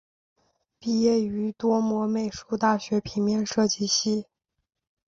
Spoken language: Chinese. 毕业于多摩美术大学平面设计系。